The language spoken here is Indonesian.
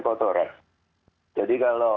kotoran jadi kalau